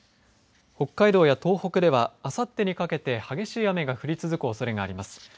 北海道や東北ではあさってにかけて、激しい雨が降り続くおそれがあります。